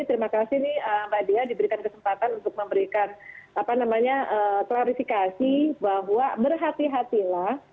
terima kasih nih mbak dia diberikan kesempatan untuk memberikan klarifikasi bahwa berhati hatilah